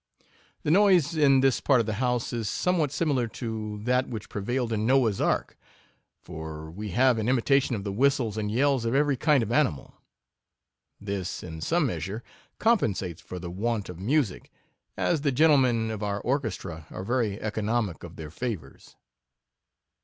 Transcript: The noise in this part of the house is some what similar to that which prevailed in Noah's ark ; for we have an imitation of the whistles and yells of every kind of animal. This, in some measure, compensates for the want of music, as the gentlemen of our orchestra are very economic of their favours.